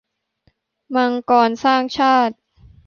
มังกรสร้างชาติ